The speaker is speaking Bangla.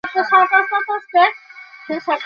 আমার বোনও এর স্বীকার হয়েছে, যে নীরবে সহ্য করে মারা গেছে।